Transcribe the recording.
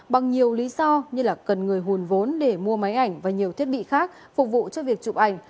bằng nhiều lý do như cần người hùn vốn để mua máy ảnh và nhiều thiết bị khác phục vụ cho việc chụp ảnh